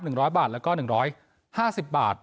ร้อยบาทแล้วก็หนึ่งร้อยห้าสิบบาท